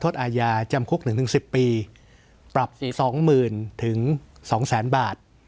อาญาจำคุก๑๑๐ปีปรับ๒๐๐๐๒๐๐๐๐บาท